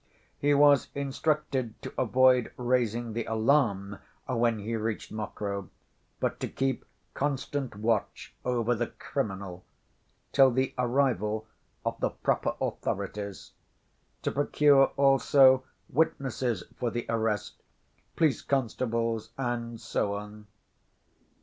He was instructed to avoid raising the alarm when he reached Mokroe, but to keep constant watch over the "criminal" till the arrival of the proper authorities, to procure also witnesses for the arrest, police constables, and so on.